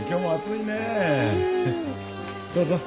どうぞ。